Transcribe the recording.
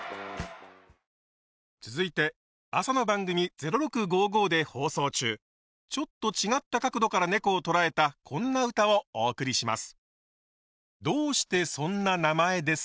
続いて朝の番組「０６５５」で放送中ちょっと違った角度からねこを捉えたこんな歌をお送りします。